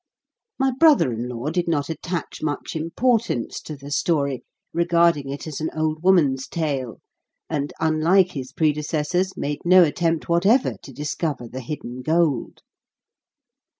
My brother in law did not attach much importance to the story, regarding it as an old woman's tale, and, unlike his predecessors, made no attempt whatever to discover the hidden gold.